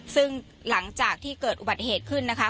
ซึ่งหลังจากที่เกิดอุบัติเหตุขึ้นนะคะ